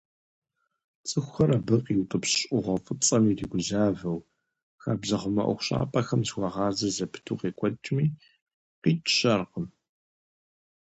ЦӀыхухэр абы къиутӀыпщ Ӏугъуэ фӀыцӀэм иригузавэу, хабзэхъумэ ӀуэхущӀапӀэхэм зыхуагъазэ зэпыту къекӀуэкӀми, къикӀ щыӀэкъым.